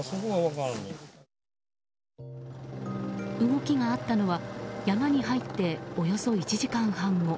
動きがあったのは山に入って、およそ１時間半後。